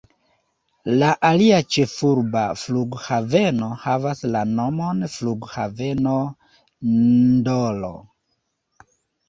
La alia ĉefurba flughaveno havas la nomon flughaveno N’Dolo.